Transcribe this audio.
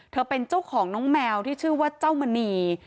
เป็นเจ้าของน้องแมวที่ชื่อว่าเจ้ามณี